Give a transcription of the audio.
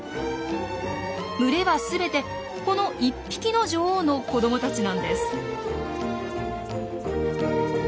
群れは全てこの１匹の女王の子どもたちなんです。